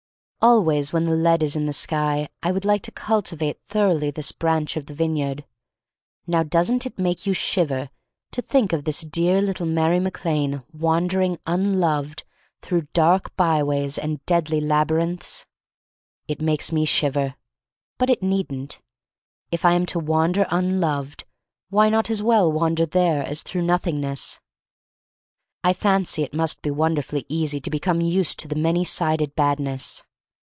Always when the lead is in the sky I would like to cultivate thoroughly this 226 THE STORY OF MARY MAC LANE branch of the vineyard. Now doesn't it make you shiver to think of this dear little Mary Mac Lane wandering un loved through dark by ways and deadly labyrinths? It makes me shiver. But it needn't. If I am to wander unloved, why not as well wander there as through Nothingness? I fancy it must be wonderfully easy to become used to the many sided Bad ness.